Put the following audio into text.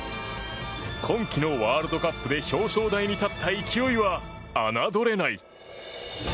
今季のワールドカップで表彰台に立った勢いは侮れない。